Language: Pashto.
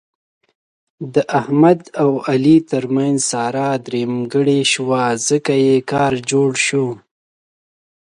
د احمد او علي ترمنځ ساره درېیمګړې شوه، ځکه یې کار جوړ شو.